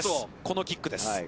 このキックです。